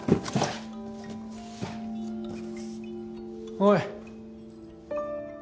おい。